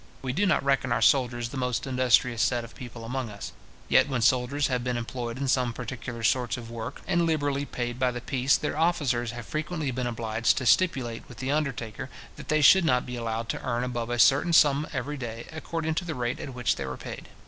We do not reckon our soldiers the most industrious set of people among us; yet when soldiers have been employed in some particular sorts of work, and liberally paid by the piece, their officers have frequently been obliged to stipulate with the undertaker, that they should not be allowed to earn above a certain sum every day, according to the rate at which they were paid.